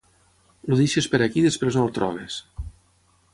El deixes per ací i després no el trobes